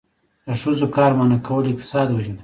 د ښځو کار منع کول اقتصاد وژني.